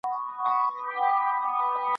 حکومتونه به په ګډه همکاري کوي.